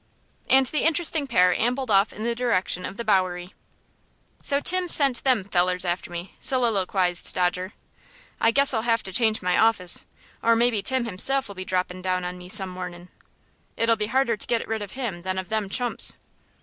And the interesting pair ambled off in the direction of the Bowery. "So Tim sent them fellers after me?" soliloqized Dodger. "I guess I'll have to change my office, or maybe Tim himself will be droppin' down on me some mornin'. It'll be harder to get rid of him than of them chumps."